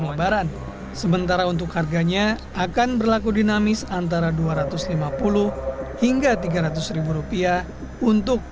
lebaran sementara untuk harganya akan berlaku dinamis antara dua ratus lima puluh hingga tiga ratus rupiah untuk